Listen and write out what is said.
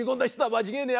間違えねえ。